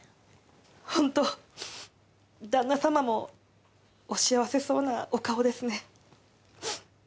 ホント旦那様もお幸せそうなお顔ですね